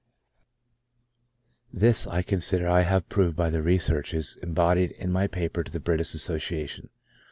14 ON THE ACTION OF I consider I have proved by the researches embodied in my paper to the British Association.